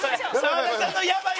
澤田さんの「やばい」。